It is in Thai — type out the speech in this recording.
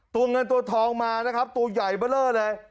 ตัวเงินตัวทองมานะครับตัวใหญ่เบอร์เลอร์เลย